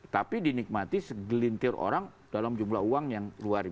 tapi dinikmati segelintir orang dalam jumlah uang yang luar biasa